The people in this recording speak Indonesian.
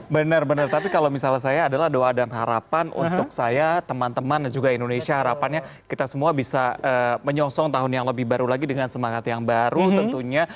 benar benar tapi kalau misalnya saya adalah doa dan harapan untuk saya teman teman juga indonesia harapannya kita semua bisa menyongsong tahun yang lebih baru lagi dengan semangat yang baru tentunya